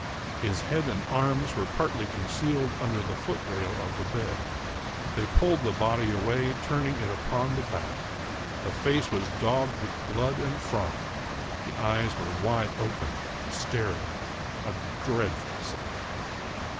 His head and arms were partly concealed under the foot rail of the bed. They pulled the body away, turning it upon the back. The face was daubed with blood and froth, the eyes were wide open, staring — a dreadful sight